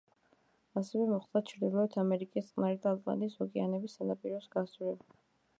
ასევე მოხდა ჩრდილოეთ ამერიკის წყნარი და ატლანტის ოკეანეები სანაპიროების გასწვრივ.